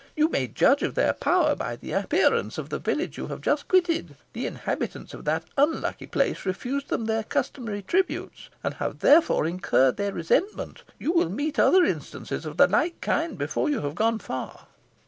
You may judge of their power by the appearance of the village you have just quitted. The inhabitants of that unlucky place refused them their customary tributes, and have therefore incurred their resentment. You will meet other instances of the like kind before you have gone far."